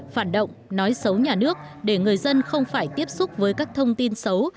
phản động nói xấu nhà nước để người dân không phải tiếp xúc với các thông tin xấu